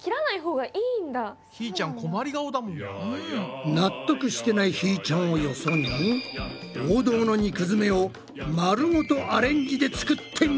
うん。納得してないひーちゃんをよそに王道の肉詰めを丸ごとアレンジで作ってみるぞ。